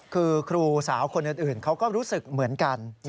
คือครูสาวคนอื่นเขาก็รู้สึกเหมือนกัน